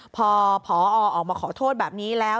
พอพอออกมาขอโทษแบบนี้แล้ว